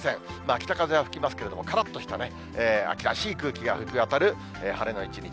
北風は吹きますけれども、からっとしたね、秋らしい空気が吹き渡る晴れの一日。